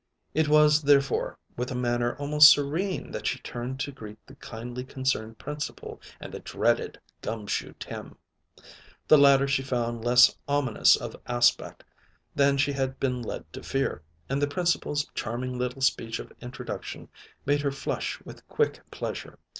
It was, therefore, with a manner almost serene that she turned to greet the kindly concerned Principal and the dreaded "Gum Shoe Tim." The latter she found less ominous of aspect than she had been led to fear, and the Principal's charming little speech of introduction made her flush with quick pleasure.